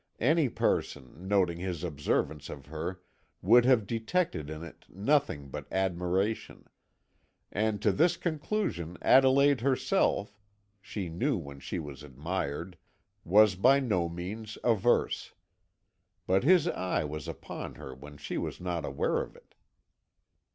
Any person, noting his observance of her, would have detected in it nothing but admiration; and to this conclusion Adelaide herself she knew when she was admired was by no means averse. But his eye was upon her when she was not aware of it.